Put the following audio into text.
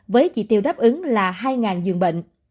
với chỉ tiêu đáp ứng là hai dường bệnh